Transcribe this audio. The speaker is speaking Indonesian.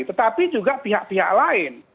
tetapi juga pihak pihak lain